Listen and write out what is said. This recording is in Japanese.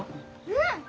うん！